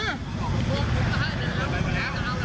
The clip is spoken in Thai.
อันนี้ก็ได้